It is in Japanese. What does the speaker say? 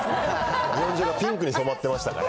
日本中がピンクに染まってましたから。